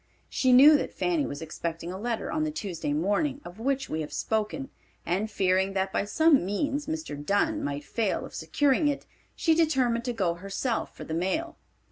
She knew that Fanny was expecting a letter on the Tuesday morning of which we have spoken, and fearing that by some means Mr. Dunn might fail of securing it, she determined to go herself for the mail.